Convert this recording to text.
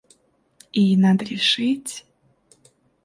И надо решить...